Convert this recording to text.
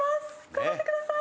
頑張ってください！